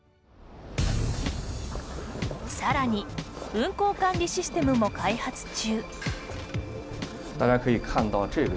さらに運航管理システムも開発中。